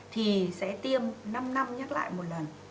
thì sẽ tiêm năm năm nhắc lại một lần